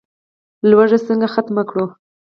لوږه څنګه ختمه کړو؟